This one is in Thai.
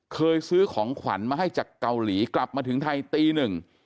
เคยซื้อของขวัญมาให้จากเกาหลีกลับมาถึงไทยตีหนึ่ง